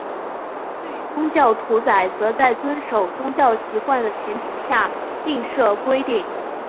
对于宗教屠宰则在遵守宗教习惯的前提下另设规定。